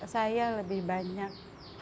saya lebih banyak